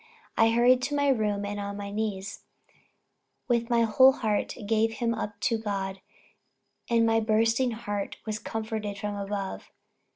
I hurried to my room; and on my knees, with my whole heart gave him up to God; and my bursting heart was comforted from above....